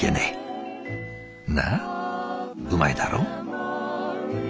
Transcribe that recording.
なあうまいだろう？」。